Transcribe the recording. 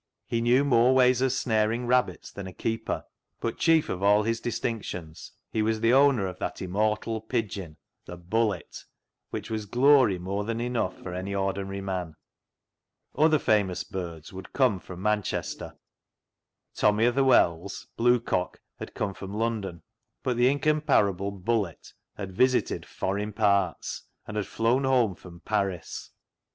He knew more ways of snaring rabbits than a keeper ; but chief of all his distinctions, he was the owner of that immortal pigeon, the " Bullet," which was glory more than enough for any ordinary man. Other famous birds would come (fly) from Manchester ; Tommy o' th' Well's " Blue cock " had come from London ; but the incomparable " Bullet " had visited " forrin parts," and had flown home from Paris.